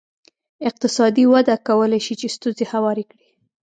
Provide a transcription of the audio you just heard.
اقتصادي وده کولای شي چې ستونزې هوارې کړي.